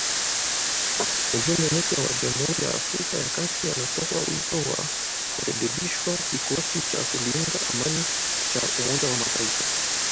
Mjumbe mpya wa Jamuhuri ya Afrika ya Kati anatoa wito wa kurekebishwa kikosi cha kulinda amani cha Umoja wa Mataifa